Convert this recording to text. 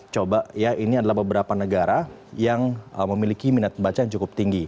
coba ya ini adalah beberapa negara yang memiliki minat baca yang cukup tinggi